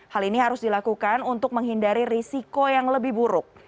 hal ini harus dilakukan untuk menghindari risiko yang lebih buruk